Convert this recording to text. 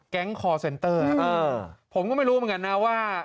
แก๊งคอร์เซ็นเตอร์อืมอืมผมก็ไม่รู้เหมือนกันนะว่า